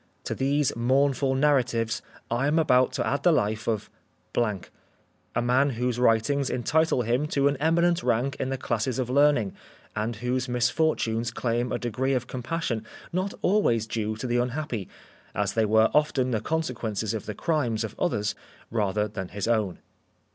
"To these mournful narratives, I am about to add the life of ... a man whose writings entitle him to an eminent rank in the classes of learning, and whose misfortunes claim a degree of compassion not always due to the unhappy, as they were often the consequences of the crimes of others rather than his own."